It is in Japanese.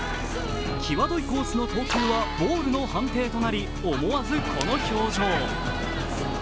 きわどいコースの投球はボールの判定となり、思わずこの表情。